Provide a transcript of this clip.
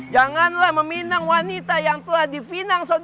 janganlah meminang wanita yang telah divinang sebelumnya